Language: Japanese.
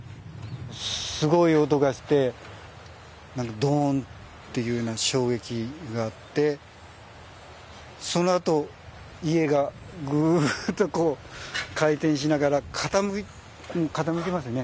すごい音がしてなんかドーンっていうような衝撃があってそのあと家がグーッとこう回転しながら傾きますね。